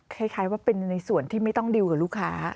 คล้ายว่าเป็นในส่วนที่ไม่ต้องดิวกับลูกค้า